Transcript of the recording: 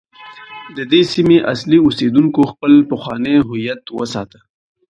د دې سیمې اصلي اوسیدونکو خپل پخوانی هویت وساته.